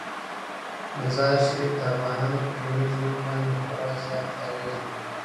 مزارشریف د افغانانو په ټولنیز ژوند باندې خورا زیات اغېز لري.